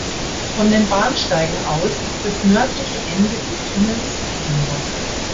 Von den Bahnsteigen aus ist das nördliche Ende des Tunnels erkennbar.